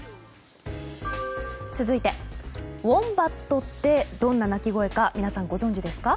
続いて、ウォンバットってどんな鳴き声か皆さん、ご存じですか？